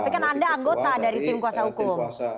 tapi kan anda anggota dari tim kuasa hukum